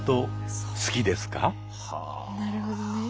なるほどね。